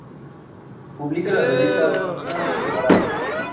Publica la revista "Sefarad".